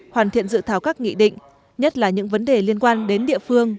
hoàn thiện dự thảo các nghị định nhất là những vấn đề liên quan đến địa phương